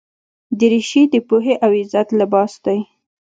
دریشي د پوهې او عزت لباس دی.